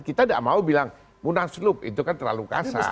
kita tidak mau bilang munaslup itu kan terlalu kasar